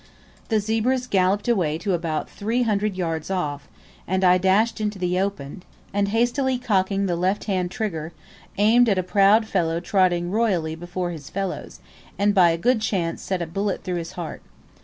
The zebras galloped away to about three hundred yards off, and I dashed into the open, and, hastily cocking the left hand trigger, aimed at a proud fellow trotting royally before his fellows, and by good chance sent a bullet through his heart.